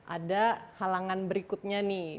ada halangan berikutnya nih